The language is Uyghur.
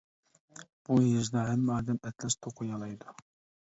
بۇ يېزىدا ھەممە ئادەم ئەتلەس توقۇيالايدۇ.